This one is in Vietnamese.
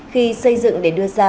khi xây dựng để đưa ra